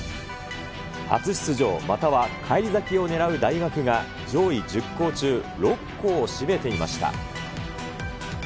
初出場、または返り咲きを狙う大学が上位１０校中６校を占めていました。